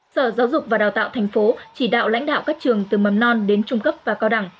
sở giáo dục và đào tạo thành phố chỉ đạo lãnh đạo các trường từ mầm non đến trung cấp và cao đẳng